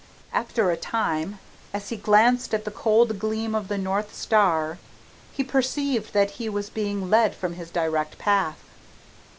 After a time, as he glanced at the cold gleam of the north star, he perceived that he was being led from his direct path.